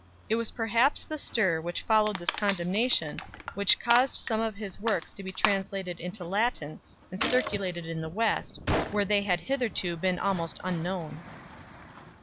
It was perhaps the stir which followed this condemnation which caused some of his works to be translated into Latin and circulated in the West, where they had hitherto been almost un known.